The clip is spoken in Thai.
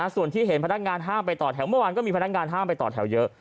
ส่วนที่เห็นพนักงานห้ามไปต่อแถวเมื่อวานก็มีพนักงานห้ามไปต่อแถวเยอะ